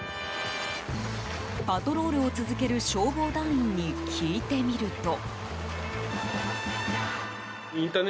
パトロールを続ける消防団員に聞いてみると。